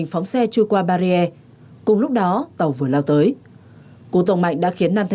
không quan sát gì hết